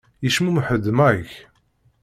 Yecmumeḥ-d Mike.